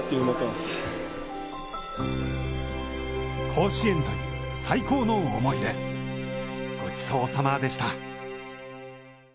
甲子園で最高の思い出、ごちそうさまでした。